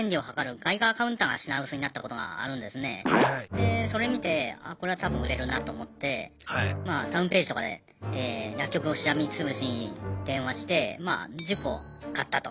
でそれ見てあこれは多分売れるなと思ってまあタウンページとかで薬局をしらみつぶしに電話してまあ１０個買ったと。